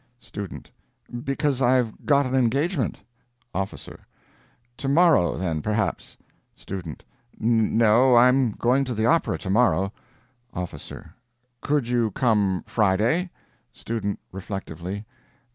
STUDENT. "Because I've got an engagement." OFFICER. "Tomorrow, then, perhaps?" STUDENT. "No, I am going to the opera, tomorrow." OFFICER. "Could you come Friday?" STUDENT. (Reflectively.)